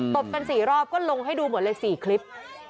บกัน๔รอบก็ลงให้ดูหมดเลย๔คลิป